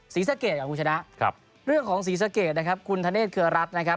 ศรีสะเกดกับคุณชนะเรื่องของศรีสะเกดนะครับคุณธเนธเครือรัฐนะครับ